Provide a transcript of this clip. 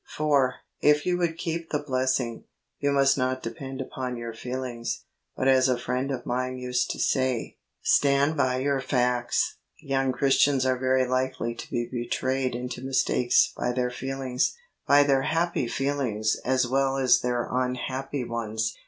4. If you would keep the blessing, you must not depend upon your feelings, but as a friend of mine used to say, ' Stand by 64 THE WAY OF HOLINESS your facts.' Young Christians are very likely to be betrayed into mistakes by their feelings — by their happy feelings as well as their unhappy ones.